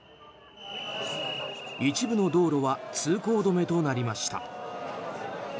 一部の道路は通行止めとなりました。